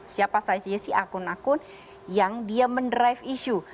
siapa saja sih akun akun yang dia mendrive isu